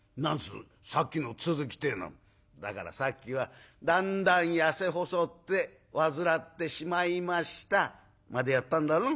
「だからさっきは『だんだん痩せ細って患ってしまいました』までやったんだろう？